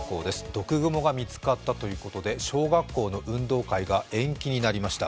毒グモが見つかったということで小学校の運動会が延期になりました。